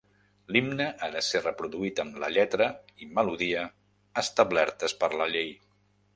L'himne ha de ser reproduït amb la lletra i melodia establertes per la llei.